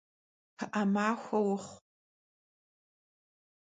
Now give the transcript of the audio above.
Pı'e maxue vuxhu!